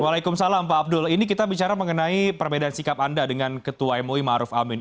waalaikumsalam pak abdul ini kita bicara mengenai perbedaan sikap anda dengan ketua mui ⁇ maruf ⁇ amin